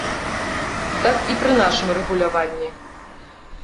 Так і пры нашым рэгуляванні.